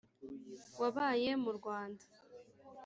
wabaye mu rwanda.